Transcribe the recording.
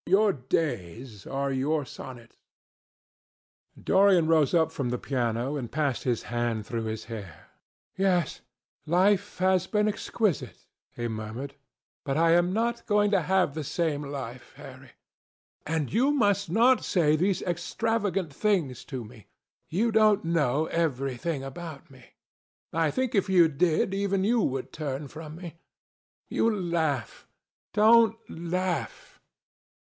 Your days are your sonnets." Dorian rose up from the piano and passed his hand through his hair. "Yes, life has been exquisite," he murmured, "but I am not going to have the same life, Harry. And you must not say these extravagant things to me. You don't know everything about me. I think that if you did, even you would turn from me. You laugh. Don't laugh."